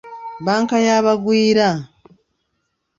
Bbanka ya bagwira.